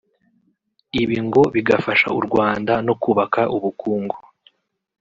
ibi ngo bigafasha u Rwanda no kubaka ubukungu